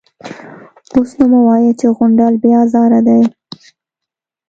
_اوس نو مه وايه چې غونډل بې ازاره دی.